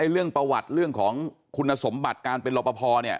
เรื่องประวัติเรื่องของคุณสมบัติการเป็นรอปภเนี่ย